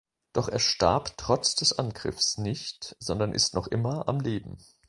Doch er starb trotz des Angriffes nicht, sondern ist noch immer am Leben.